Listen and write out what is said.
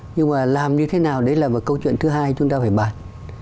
nhưng mà làm như thế nào đấy là một câu chuyện thứ hai chúng ta phải bàn